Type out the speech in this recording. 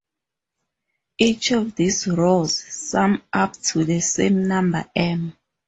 Each of these rows sum up to the same number "M".